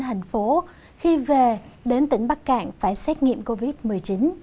thành phố khi về đến tỉnh bắc cạn phải xét nghiệm covid một mươi chín